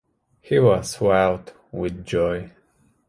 He was wild with joy.